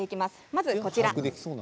まず、こちらです。